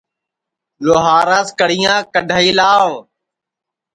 لُہاراس کڑِیاں کڈؔائی لاوَ